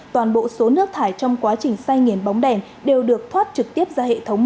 toàn bộ số nước thải trong quá trình say nghiền bóng đèn đều được thoát trực tiếp ra hệ thống